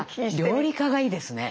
料理家がいいですね。